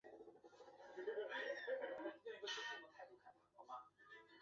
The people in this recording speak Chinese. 裸子植物的演化允许植物不再那么依赖水生存。